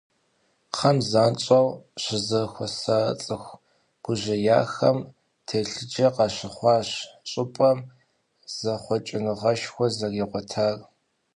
Кхъэм занщӏэу щызэхуэса цӏыху гужьеяхэм телъыджэ къащыхъуащ щӏыпӏэм зэхъуэкӏыныгъэшхуэ зэригъуэтар.